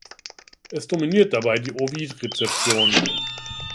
Es dominiert dabei die Ovid-Rezeption.